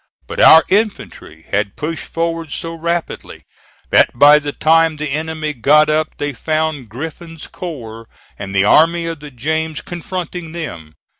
But our infantry had pushed forward so rapidly that by the time the enemy got up they found Griffin's corps and the Army of the James confronting them.